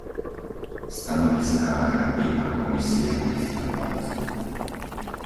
stanoviskách Rady a Komisie k prisťahovalectvu,